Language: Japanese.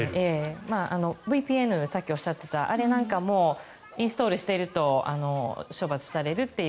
ＶＰＮ、さっきおっしゃっていたあれなんかもインストールしていると処罰されるという。